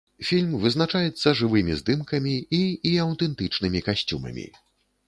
Фільм вызначаецца жывымі здымкамі і і аўтэнтычнымі касцюмамі.